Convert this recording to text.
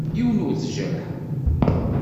Yiwen ur t-jerrḥeɣ.